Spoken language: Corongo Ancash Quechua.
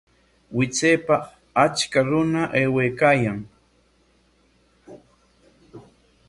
Wichaypa acha runa aywaykaayan